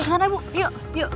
tidak ada ibu yuk yuk